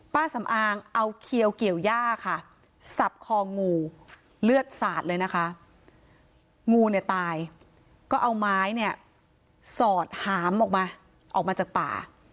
ป้าสำอางเอาเขียวเกี่ยวย่าค่ะสับคองูเลือดสาดเลยนะคะงูเนี่ยตายก็เอาไม้เนี่ยสอดหามออกมาออกมาจากป่า